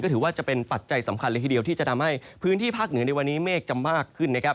ถือว่าจะเป็นปัจจัยสำคัญเลยทีเดียวที่จะทำให้พื้นที่ภาคเหนือในวันนี้เมฆจะมากขึ้นนะครับ